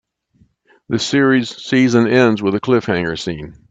The series season ends with a cliffhanger scene.